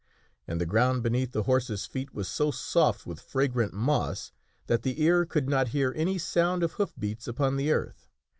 And the ground beneath the horses* feet was so soft with fragrant moss that the ear could not hear any sound of hoof beats upon the earth.